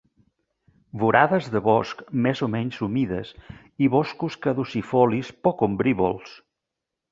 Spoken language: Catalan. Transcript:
Vorades de bosc més o menys humides i boscos caducifolis poc ombrívols.